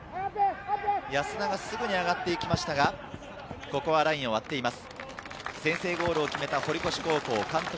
安田がすぐに上がってきましたが、ここはラインを割っています。